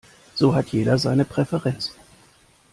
So hat jeder seine Präferenz.